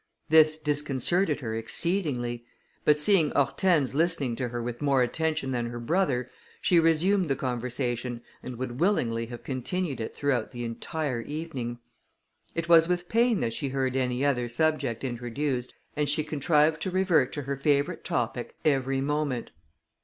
This disconcerted her exceedingly; but seeing Hortense listening to her with more attention than her brother, she resumed the conversation, and would willingly have continued it throughout the entire evening. It was with pain that she heard any other subject introduced, and she contrived to revert to her favourite topic every moment.